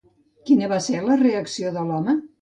Quina va ser la reacció de l'home?